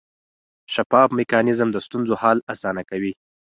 شفاف میکانیزم د ستونزو حل اسانه کوي.